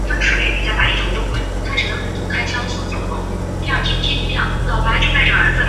近年来中国巨大的贸易顺差同样是一个问题。